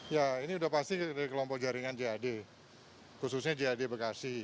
ya ini sudah pasti dari kelompok jaringan jad khususnya jad bekasi